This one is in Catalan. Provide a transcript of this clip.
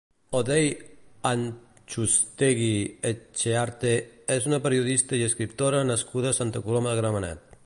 Odei Antxustegi-Etxearte és una periodista i escriptora nascuda a Santa Coloma de Gramenet.